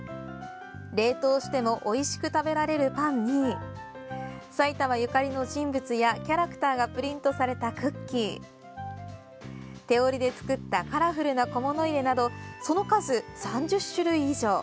冷凍してもおいしく食べられるパンに埼玉ゆかりの人物やキャラクターがプリントされたクッキー手織りで作ったカラフルな小物入れなどその数３０種類以上。